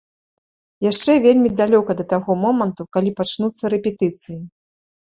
Яшчэ вельмі далёка да таго моманту, калі пачнуцца рэпетыцыі.